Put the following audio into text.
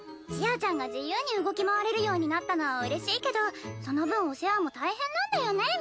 ちあちゃんが自由に動き回れるようになったのはうれしいけどその分お世話も大変なんだよね。